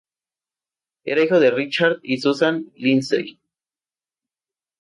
Era hijo de Richard y Susan Lindsay.